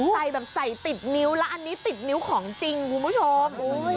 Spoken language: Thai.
ใส่แบบใส่ติดนิ้วแล้วอันนี้ติดนิ้วของจริงคุณผู้ชม